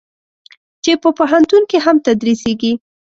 چې په پوهنتون کې هم تدریسېږي.